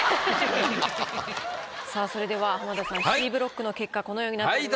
さあそれでは浜田さんＣブロックの結果このようになっております。